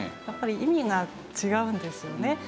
やっぱり意味が違うんですよね。